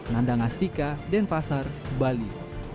nanda ngastika denpasar bali